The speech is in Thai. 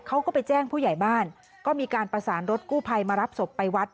เขาก็ไปแจ้งผู้ใหญ่บ้านก็มีการประสานรถกู้ภัยมารับศพไปวัด